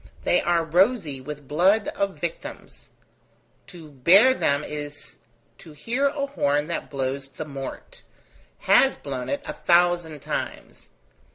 They are rosy with blood of victims. To bear them is to hear a horn that blows the mort: has blown it a thousand times.